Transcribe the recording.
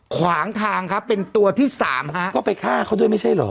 ขวางทางครับเป็นตัวที่สามฮะก็ไปฆ่าเขาด้วยไม่ใช่เหรอ